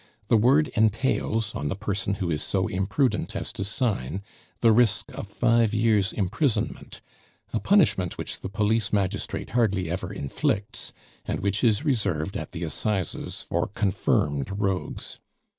The word entails, on the person who is so imprudent as to sign, the risk of five years' imprisonment a punishment which the police magistrate hardly ever inflicts, and which is reserved at the assizes for confirmed rogues.